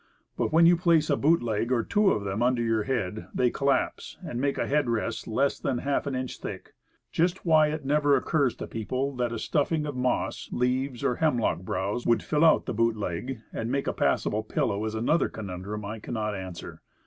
But, when you place a boot leg or two of them under your head, they collapse, and make a head rest less than half an inch thick. Just why it never occurs to people that a stuffing of moss, leaves, or hemlock browse, would fill out the boot legs and make a passable pillow, is another conundrum I can not answer.